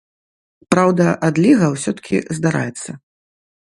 Праўда, адліга ўсё-ткі здараецца.